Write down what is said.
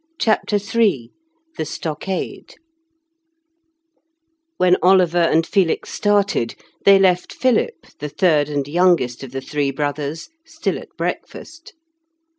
CHAPTER III THE STOCKADE When Oliver and Felix started, they left Philip, the third and youngest of the three brothers, still at breakfast.